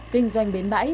kinh doanh bến bãi